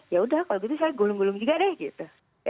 ya udah kalau gitu saya gulung gulung juga deh gitu